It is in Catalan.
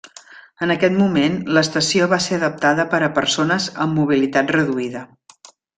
En aquest moment l'estació va ser adaptada per a persones amb mobilitat reduïda.